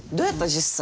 実際。